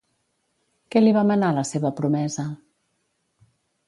Què li va manar la seva promesa?